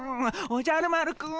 おじゃる丸くん。